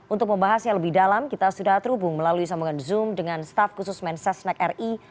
untuk membahasnya lebih dalam kita sudah terhubung melalui sambungan zoom dengan staff khusus mensesnek ri